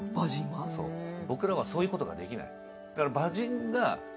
僕らはそういうことができない。